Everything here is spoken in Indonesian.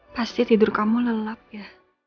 pasti tidur kamu lelap ya